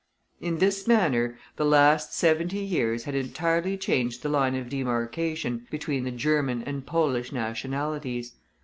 In this manner the last seventy years had entirely changed the line of demarcation between the German and Polish nationalities.